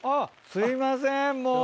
すいませんもう。